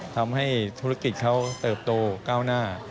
ทำให้ธุรกิจเขาเติบโตก้าวหน้า